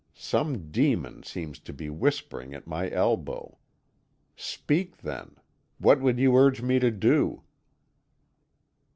Some demon seems to be whispering at my elbow. Speak, then; what would you urge me to do?"